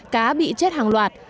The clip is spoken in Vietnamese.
cá bị chết hàng loạt